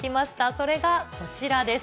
それがこちらです。